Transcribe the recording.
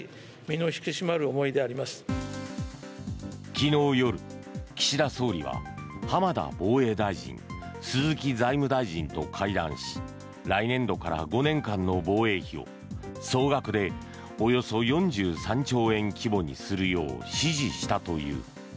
昨日夜、岸田総理は浜田防衛大臣、鈴木財務大臣と会談し来年度から５年間の防衛費を総額でおよそ４３兆円規模にするよう指示したという。